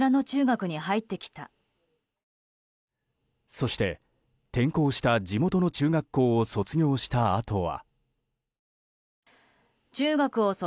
そして転校した地元の中学校を卒業したあとは。